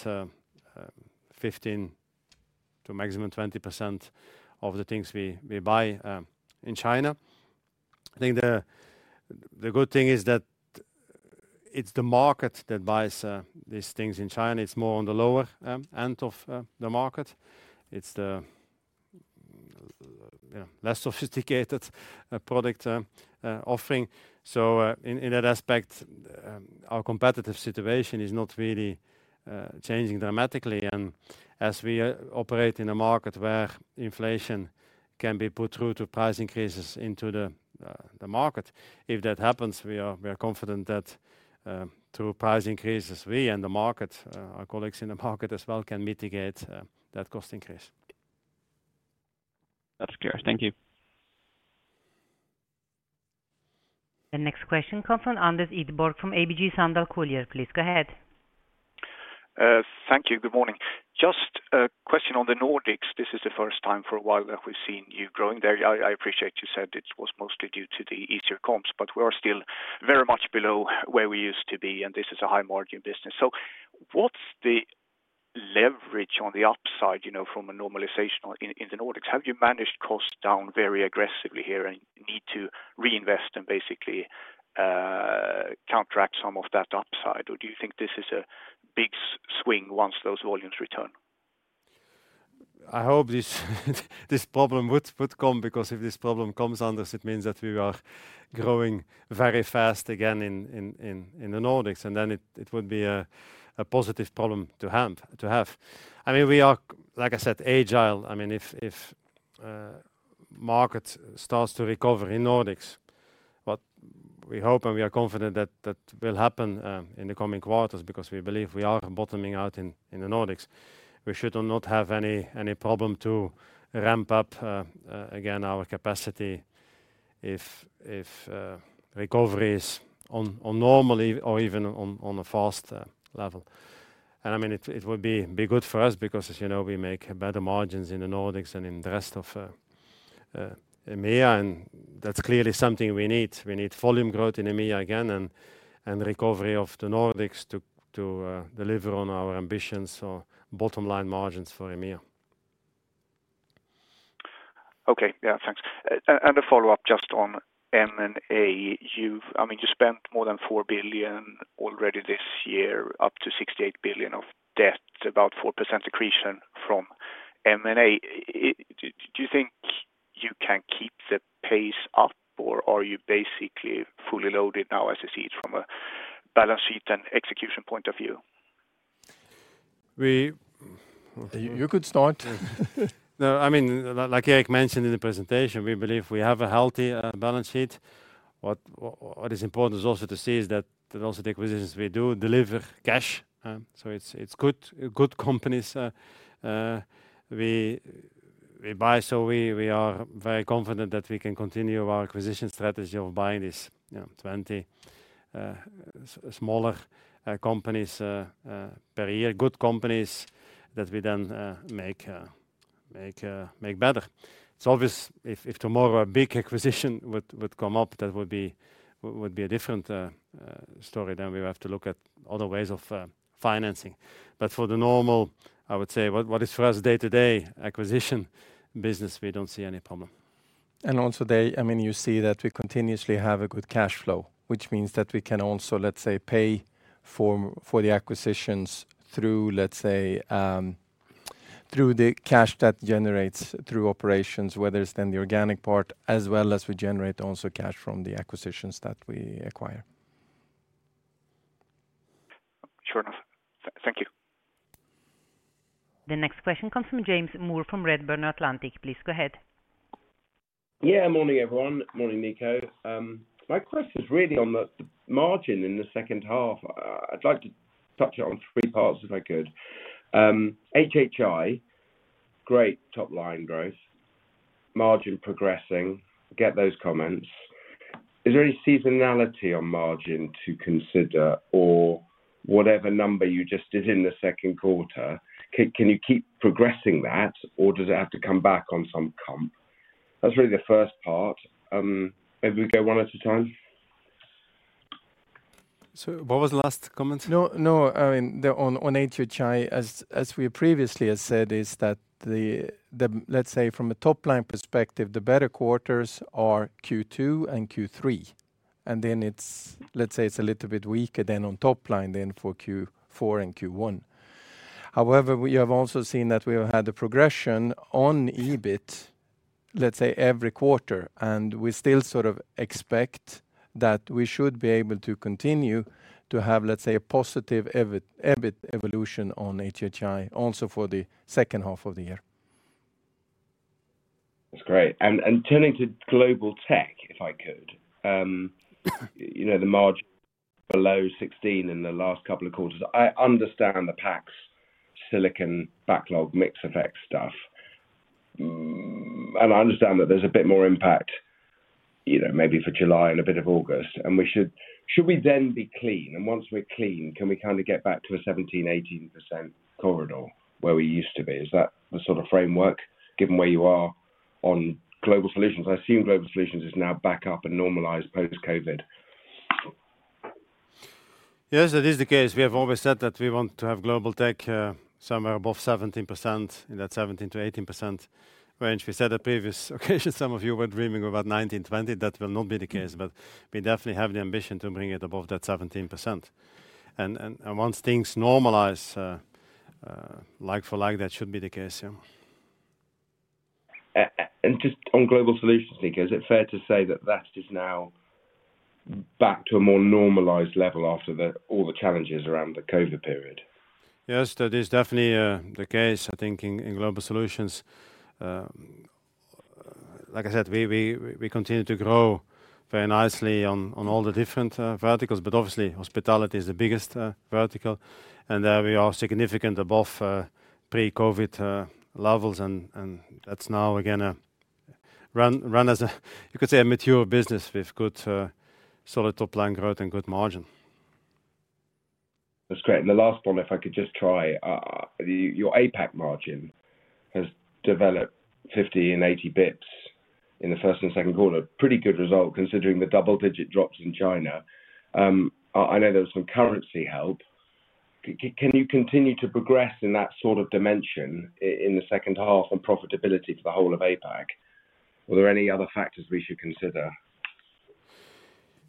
15%-20% of the things we buy in China. I think the good thing is that it's the market that buys these things in China. It's more on the lower end of the market. It's the yeah, less sophisticated product offering. So, in that aspect, our competitive situation is not really changing dramatically. And as we operate in a market where inflation can be put through to price increases into the market, if that happens, we are confident that, through price increases, we and the market, our colleagues in the market as well, can mitigate that cost increase. That's clear. Thank you. The next question comes from Anders Idborg, from ABG Sundal Collier. Please go ahead. Thank you. Good morning. Just a question on the Nordics. This is the first time for a while that we've seen you growing there. I appreciate you said it was mostly due to the easier comps, but we are still very much below where we used to be, and this is a high-margin business. So what's the leverage on the upside, you know, from a normalization in the Nordics? Have you managed costs down very aggressively here and need to reinvest and basically counteract some of that upside? Or do you think this is a big swing once those volumes return? I hope this problem would come, because if this problem comes, Anders, it means that we are growing very fast again in the Nordics, and then it would be a positive problem to have. I mean, we are, like I said, agile. I mean, if market starts to recover in Nordics, what we hope and we are confident that that will happen in the coming quarters, because we believe we are bottoming out in the Nordics. We should not have any problem to ramp up again our capacity if recovery is on normally or even on a faster level. I mean, it would be good for us because, as you know, we make better margins in the Nordics than in the rest of EMEA, and that's clearly something we need. We need volume growth in EMEA again and recovery of the Nordics to deliver on our ambitions or bottom line margins for EMEA. Okay. Yeah, thanks. And a follow-up just on M&A. I mean, you spent more than 4 billion already this year, up to 68 billion of debt, about 4% accretion from M&A. Do you think you can keep the pace up, or are you basically fully loaded now, as I see it, from a balance sheet and execution point of view? We You could start. No, I mean, like Erik mentioned in the presentation, we believe we have a healthy balance sheet. What is important is also to see that most of the acquisitions we do deliver cash, so it's good companies we buy. So we are very confident that we can continue our acquisition strategy of buying, you know, 20 smaller companies per year. Good companies that we then make better. It's obvious if tomorrow a big acquisition would come up, that would be a different story, then we would have to look at other ways of financing. But for the normal, I would say what is for us day-to-day acquisition business, we don't see any problem. And also they—I mean, you see that we continuously have a good cash flow, which means that we can also, let's say, pay for the acquisitions through, let's say, through the cash that generates through operations, whether it's then the organic part, as well as we generate also cash from the acquisitions that we acquire. Sure enough. Thank you. The next question comes from James Moore from Redburn Atlantic. Please go ahead. Yeah, morning, everyone. Morning, Nico. My question is really on the margin in the second half. I'd like to touch on three parts, if I could. HHI, great top line growth, margin progressing, get those comments. Is there any seasonality on margin to consider or whatever number you just did in the second quarter, can you keep progressing that, or does it have to come back on some comp? That's really the first part. Maybe we go one at a time. What was the last comment? No, no, I mean, on HHI, as we previously has said, is that the... Let's say from a top-line perspective, the better quarters are Q2 and Q3, and then it's, let's say it's a little bit weaker on top line, then for Q4 and Q1. However, we have also seen that we have had a progression on EBIT, let's say, every quarter, and we still sort of expect that we should be able to continue to have, let's say, a positive EBIT evolution on HHI, also for the second half of the year. That's great. And turning to Global Tech, if I could. You know, the margin below 16% in the last couple of quarters. I understand the PACS silicon backlog, mix effect stuff. And I understand that there's a bit more impact, either maybe for July and a bit of August, and we should. Should we then be clean? And once we're clean, can we kind of get back to a 17%-18% corridor where we used to be? Is that the sort of framework, given where you are on Global Solutions? I assume Global Solutions is now back up and normalized post-COVID. Yes, that is the case. We have always said that we want to have Global Tech, somewhere above 17%, in that 17%-18% range. We said on previous occasions, some of you were dreaming about 19, 20. That will not be the case, but we definitely have the ambition to bring it above that 17%. And once things normalize, like for like, that should be the case, yeah. Just on Global Solutions, I think, is it fair to say that that is now back to a more normalized level after all the challenges around the COVID period? Yes, that is definitely the case. I think in Global Solutions, like I said, we continue to grow very nicely on all the different verticals, but obviously hospitality is the biggest vertical, and we are significant above pre-COVID levels and that's now again a run-rate as you could say, a mature business with good solid top line growth and good margin. That's great. And the last one, if I could just try. Your APAC margin has developed 50 and 80 bps in the first and second quarter. Pretty good result, considering the double-digit drops in China. I know there was some currency help. Can you continue to progress in that sort of dimension in the second half and profitability to the whole of APAC? Were there any other factors we should consider?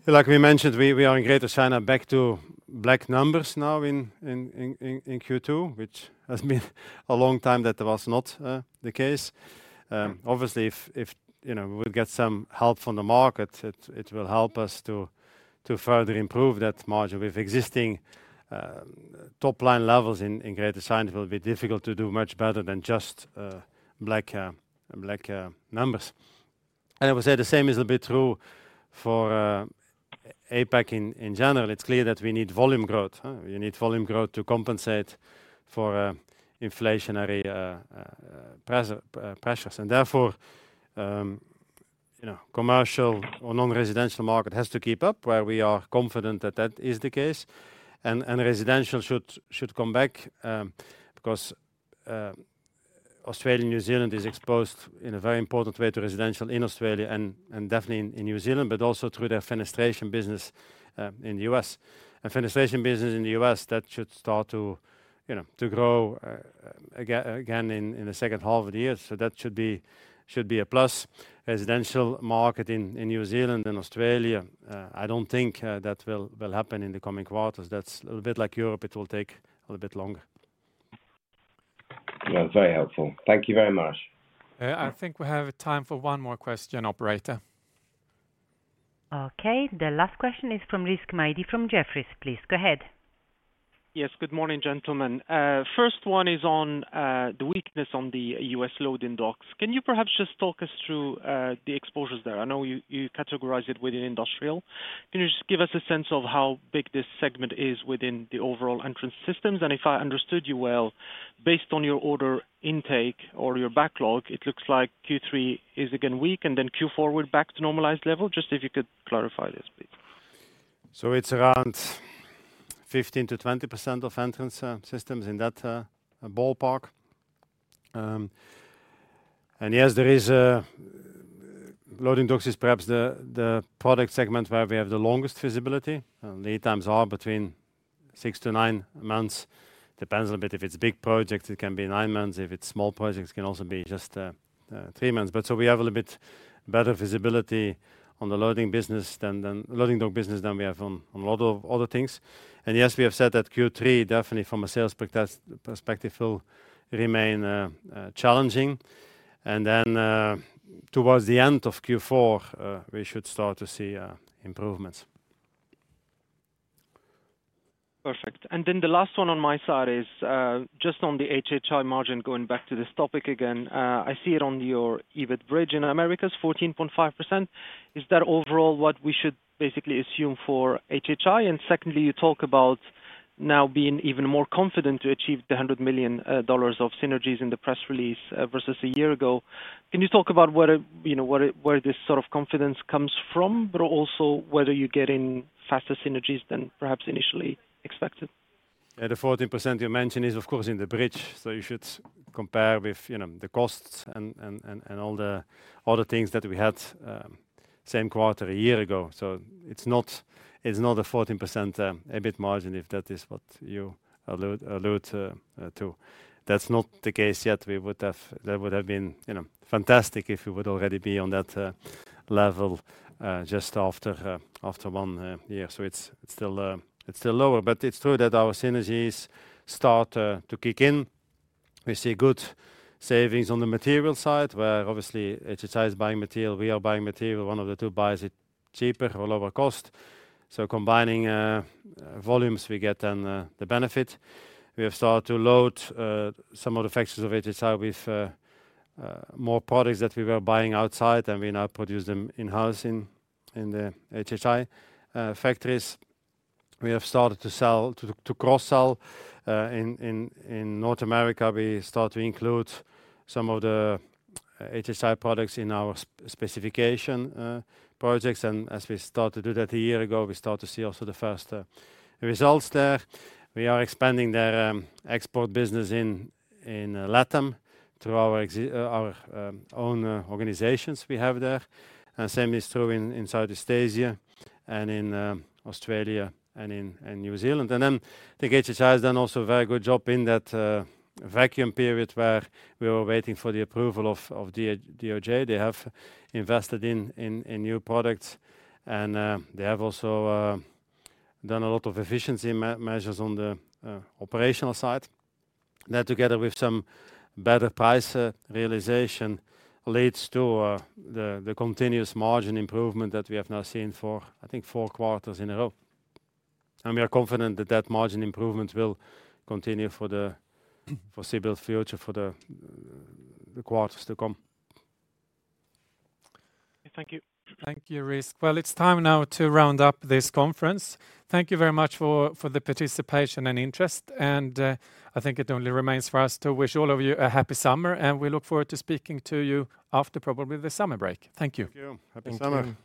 Like we mentioned, we are in Greater China, back to black numbers now in Q2, which has been a long time that was not the case. Obviously, if you know, we'll get some help from the market, it will help us to further improve that margin. With existing top-line levels in Greater China, it will be difficult to do much better than just black numbers. And I would say the same is a bit true for APAC in general. It's clear that we need volume growth, huh? We need volume growth to compensate for inflationary pressures. And therefore, you know, commercial or non-residential market has to keep up where we are confident that that is the case. Residential should come back because Australia and New Zealand is exposed in a very important way to residential in Australia and definitely in New Zealand, but also through their fenestration business in the U.S. And fenestration business in the U.S., that should start to, you know, grow again in the second half of the year. So that should be a plus. Residential market in New Zealand and Australia, I don't think that will happen in the coming quarters. That's a little bit like Europe. It will take a little bit longer. Yeah, very helpful. Thank you very much. Yeah, I think we have time for one more question, operator. Okay, the last question is from Rizk Maidi from Jefferies. Please, go ahead. Yes, good morning, gentlemen. First one is on the weakness on the U.S. loading docks. Can you perhaps just talk us through the exposures there? I know you, you categorize it within industrial. Can you just give us a sense of how big this segment is within the overall Entrance Systems? And if I understood you well, based on your order intake or your backlog, it looks like Q3 is again weak, and then Q4, we're back to normalized level. Just if you could clarify this, please. So it's around 15%-20% of Entrance Systems in that ballpark. And yes, there is a loading dock. It's perhaps the product segment where we have the longest visibility. Lead times are between 6-9 months. Depends a little bit, if it's big projects, it can be 9 months, if it's small projects, it can also be just 3 months. But so we have a little bit better visibility on the loading dock business than we have on a lot of other things. And yes, we have said that Q3, definitely from a sales perspective, will remain challenging. And then, towards the end of Q4, we should start to see improvements. Perfect. Then the last one on my side is, just on the HHI margin, going back to this topic again. I see it on your EBIT bridge in Americas, 14.5%. Is that overall what we should basically assume for HHI? And secondly, you talk about now being even more confident to achieve the $100 million of synergies in the press release, versus a year ago. Can you talk about where, you know, where, where this sort of confidence comes from, but also whether you're getting faster synergies than perhaps initially expected? Yeah, the 14% you mentioned is, of course, in the bridge, so you should compare with, you know, the costs and all the things that we had same quarter a year ago. So it's not a 14% EBIT margin, if that is what you allude to. That's not the case yet. We would have. That would have been, you know, fantastic if we would already be on that level just after one year. So it's still lower, but it's true that our synergies start to kick in. We see good savings on the material side, where obviously HHI is buying material, we are buying material. One of the two buys it cheaper or lower cost, so combining volumes, we get then the benefit. We have started to load some of the factories of HHI with more products that we were buying outside, and we now produce them in-house in the HHI factories. We have started to cross-sell in North America. We start to include some of the HHI products in our specification projects, and as we start to do that a year ago, we start to see also the first results there. We are expanding their export business in LATAM through our own organizations we have there. And same is true in Southeast Asia and in Australia and in New Zealand. And then I think HHI has done also a very good job in that vacuum period where we were waiting for the approval of DOJ. They have invested in new products, and they have also done a lot of efficiency measures on the operational side. That, together with some better price realization, leads to the continuous margin improvement that we have now seen for, I think, four quarters in a row. And we are confident that that margin improvement will continue for the foreseeable future, for the quarters to come. Thank you. Thank you, Rizk. Well, it's time now to round up this conference. Thank you very much for the participation and interest, and I think it only remains for us to wish all of you a happy summer, and we look forward to speaking to you after probably the summer break. Thank you. Thank you. Happy summer!